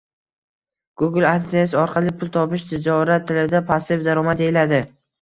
Google adsense orqali pul topish tijorat tilida passiv daromad deyiladi